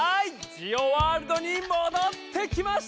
ジオワールドにもどってきました！